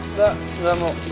nggak nggak mau